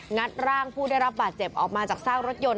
ัดร่างผู้ได้รับบาดเจ็บออกมาจากซากรถยนต